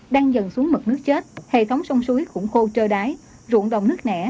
đang dần xuống mực nước chết hệ thống sông suối cũng khô trơ đáy ruộng đồng nước nẻ